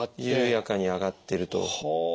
緩やかに上がってると。